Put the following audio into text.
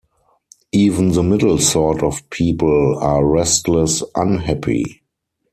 Even the middle sort of people are restless unhappy.